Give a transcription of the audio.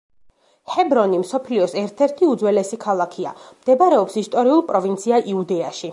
ჰებრონი მსოფლიოს ერთ-ერთი უძველესი ქალაქია, მდებარეობს ისტორიულ პროვინცია იუდეაში.